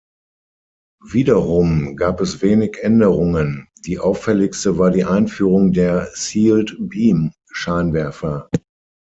Wiederum gab es wenig Änderungen; die auffälligste war die Einführung der „Sealed Beam“-Scheinwerfer.